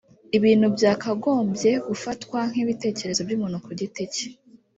ibintu byakagombye gufatwa nk’ibitekerezo by’umuntu ku giti cye